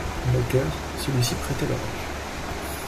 Moqueur, celui-ci prêtait l'oreille.